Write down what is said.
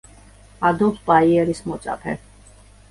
ადოლფ ბაიერის მოწაფე.